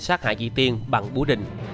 sát hại chị tiên bằng búa đình